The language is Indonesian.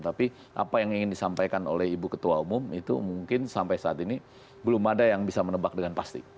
tapi apa yang ingin disampaikan oleh ibu ketua umum itu mungkin sampai saat ini belum ada yang bisa menebak dengan pasti